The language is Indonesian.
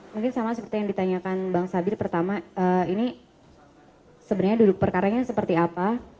mungkin sama seperti yang ditanyakan bang sabir pertama ini sebenarnya duduk perkaranya seperti apa